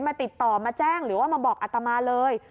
มาติดต่อมาแจ้งหรือว่ามาบอกอัตมาเลย